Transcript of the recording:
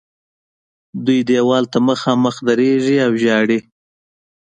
دوی دیوال ته مخامخ درېږي او ژاړي.